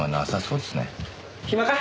暇か？